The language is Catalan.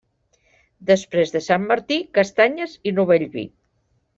Després de Sant Martí, castanyes i novell vi.